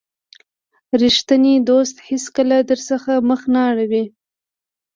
رښتینی دوست هیڅکله درڅخه مخ نه اړوي.